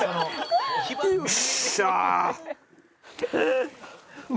よっしゃー！